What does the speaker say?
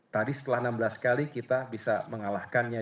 tadi setelah enam belas kali kita bisa mengalahkannya